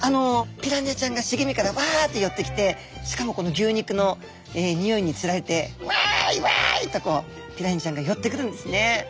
ピラニアちゃんが茂みからわって寄ってきてしかもこの牛肉のにおいに釣られてわいわいとこうピラニアちゃんが寄ってくるんですね。